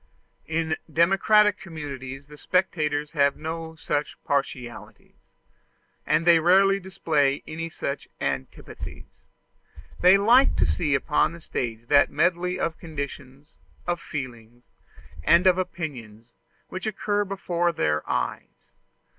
In democratic communities the spectators have no such partialities, and they rarely display any such antipathies: they like to see upon the stage that medley of conditions, of feelings, and of opinions, which occurs before their eyes.